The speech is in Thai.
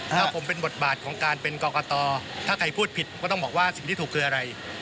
ถ้าผมเป็นบทบาทของการเป็นกรกตถ้าใครพูดผิดก็ต้องบอกว่าสิ่งที่ถูกคืออะไร